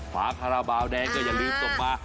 ฝาคาราบาลแดงก็อย่าลืมส่งมา